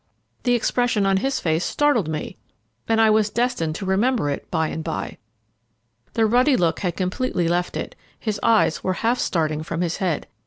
The expression on his face startled me, and I was destined to remember it by and by. The ruddy look had completely left it, his eyes were half starting from his head.